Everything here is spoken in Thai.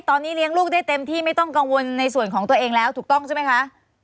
ตอนนี้เลี้ยงลูกได้เต็มที่ไม่ต้องกังวลในส่วนของตัวเองแล้วถูกต้องใช่ไหมคะ